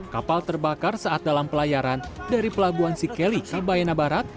kapal terbakar saat dalam pelayaran dari pelabuhan sikeli ki bayana barat